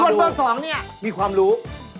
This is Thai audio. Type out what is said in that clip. ส่วนเบอร์๒นี่มีความรู้